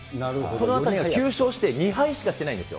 そのあたりが９勝して２敗しかしてないんですよ。